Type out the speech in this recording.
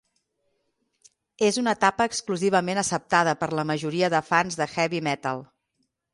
És una etapa exclusivament acceptada per la majoria de fans de heavy metal.